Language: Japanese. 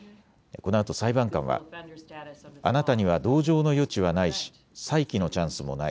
このあと裁判官はあなたには同情の余地はないし再起のチャンスもない。